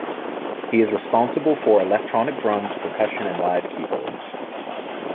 He is responsible for electronic drums, percussion and live keyboards.